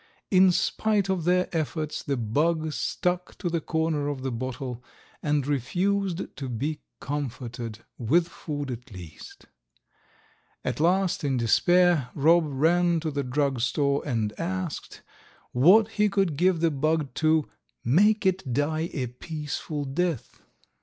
In spite of their efforts the bug stuck to the corner of the bottle and refused to be comforted, with food, at least. At last, in despair, Rob ran to the drug store and asked what he could give the bug to "make it die a peaceful death."